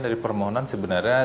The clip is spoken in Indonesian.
dari permohonan sebenarnya